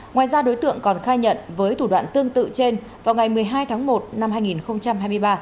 ngoài ra đối tượng còn khai nhận với thủ đoạn tương tự trên vào ngày một mươi hai tháng một năm hai nghìn hai mươi ba